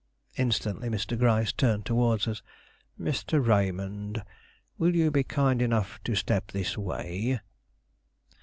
Instantly Mr. Gryce turned towards us. "Mr. Raymond, will you be kind enough to step this way?"